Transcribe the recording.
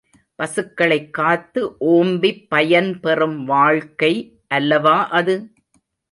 பசுக்களைக் காத்து ஓம்பிப் பயன்பெறும் வாழ்க்கை அல்லவா அது?